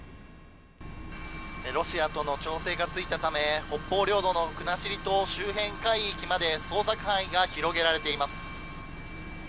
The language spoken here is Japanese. ロシアとの調整がついたため北方領土の国後島周辺海域まで捜索範囲が広げられています。